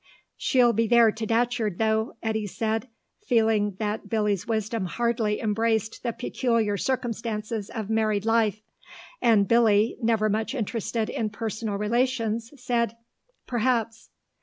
"She'd be there to Datcherd, though," Eddy said, feeling that Billy's wisdom hardly embraced the peculiar circumstances of married life, and Billy, never much interested in personal relations, said, "Perhaps."